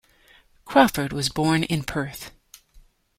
Crawford was born in Perth.